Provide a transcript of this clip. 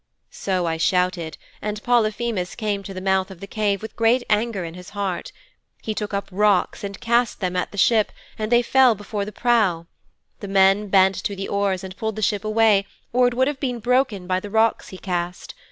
"' 'So I shouted, and Polyphemus came to the mouth of the cave with great anger in his heart. He took up rocks and cast them at the ship and they fell before the prow. The men bent to the oars and pulled the ship away or it would have been broken by the rocks he cast.